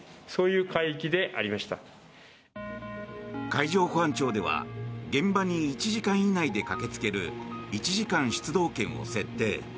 海上保安庁では現場に１時間以内で駆けつける１時間出動圏を設定。